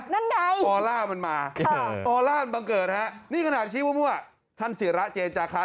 นั่นใดมันมาค่ะมันบังเกิดนะฮะนี่ขนาดชี้มั่วมั่วท่านสีระเจจาคะ